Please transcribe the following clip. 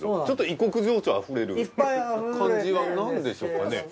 ちょっと異国情緒あふれる感じはなんでしょうかね？